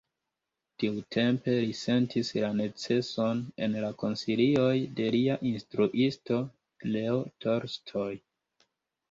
Tiutempe li sentis la neceson en la konsilioj de lia instruisto Leo Tolstoj.